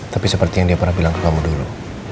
tapi seperti yang dia pernah bilang ke kamu dulu